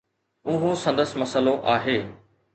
اهو سندس مسئلو آهي.